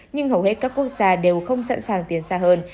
nhưng hầu hết các quốc gia đều không sẵn sàng tiến xa hơn